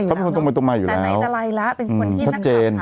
อยู่แล้วตรงไปตรงมาอยู่แล้วแต่ในตลายละอืมเป็นคนที่นักคำถาม